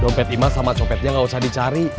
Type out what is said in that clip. dompet imas sama copet yang gak usah dicari